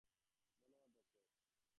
ধন্যবাদ, ডক্টর।